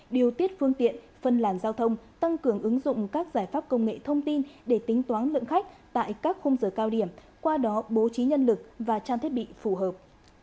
điều tiết phương tiện phân làn giao thông tăng cường ứng dụng các giải pháp công nghệ thông tin để tính toán lượng khách tại các khung giờ cao điểm qua đó bố trí nhân lực và trang thiết bị phù hợp